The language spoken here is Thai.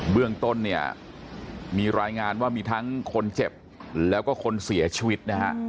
เบื้องต้นมีรายงานว่ามีทั้งคนเจ็บและคนเสียชีวิต